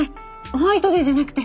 ホワイトデーじゃなくて。